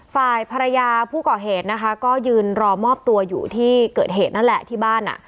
ฝ่ายภรรยาผู้ก่อเหตุนะคะก็ยืนรอมอบตัวอยู่ที่เกิดเหตุนั่นแหละที่บ้าน